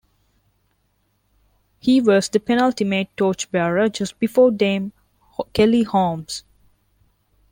He was the penultimate torchbearer just before Dame Kelly Holmes.